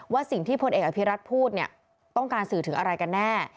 สิ่งที่พลเอกอภิรัตน์พูดเนี่ยต้องการสื่อถึงอะไรกันแน่